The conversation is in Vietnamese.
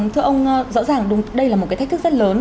thưa ông rõ ràng đây là một cái thách thức rất lớn